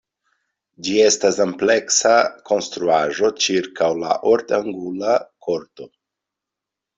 Ĝi estas ampleksa konstruaĵo ĉirkaŭ la ort-angula korto.